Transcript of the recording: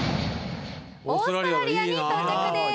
オーストラリアに到着です